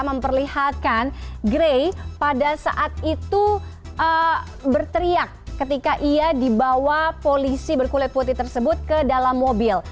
memperlihatkan gray pada saat itu berteriak ketika ia dibawa polisi berkulit putih tersebut ke dalam mobil